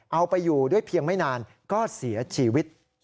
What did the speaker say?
เอาไปอยู่ด้วยเพียงไม่นานก็เสียชีวิต